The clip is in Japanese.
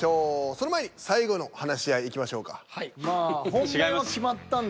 その前に最後の話し合いいきましょうか。